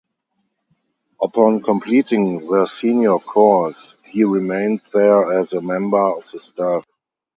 Upon completing the senior course, he remained there as a member of the staff.